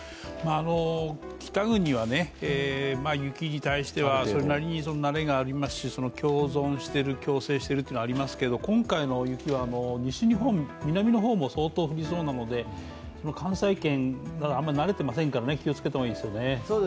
北国は雪に対してはそれなりに慣れがありますし、共存している、共生しているというのはありますけど今回の雪は西日本、南の方も相当降りそうなので、関西圏はあまり慣れていませんから、気をつけた方がいいですよね。